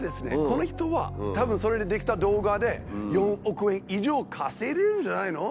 この人はたぶんそれで出来た動画で４億円以上稼いでるんじゃないの？